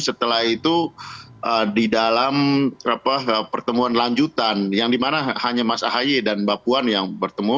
setelah itu di dalam pertemuan lanjutan yang dimana hanya mas ahaye dan mbak puan yang bertemu